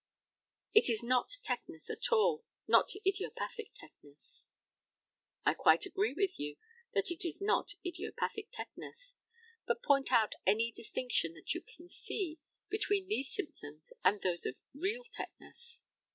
It is not tetanus at all; not idiopathic tetanus. I quite agree with you that it is not idiopathic tetanus, but point out any distinction that you can see between these symptoms and those of real tetanus?